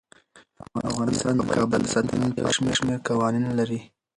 افغانستان د کابل د ساتنې لپاره یو شمیر قوانین لري.